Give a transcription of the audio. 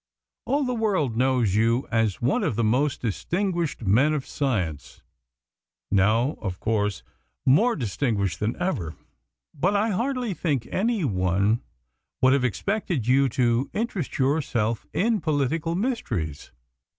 All the world knows you as one of its most distinguished men of science, now, of course, more distinguished than ever; but I hardly think any one would have expected you to interest yourself in political mysteries.